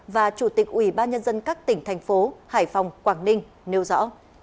và chủ tịch ủy ban nhân dân các tỉnh thành phố hải phòng quảng ninh nêu rõ